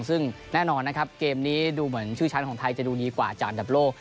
ซึ่งแน่นอนนะครับเกมนี้ดูเหมือนชื่อชั้นของไทยจะดูดีกว่าจากอันดับโลก